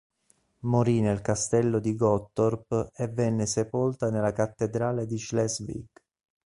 Morì nel castello di Gottorp e venne sepolta nella cattedrale di Schleswig.